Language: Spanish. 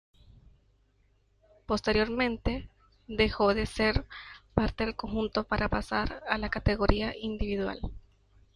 Posteriormente, dejó de ser parte del conjunto para pasar a la categoría individual.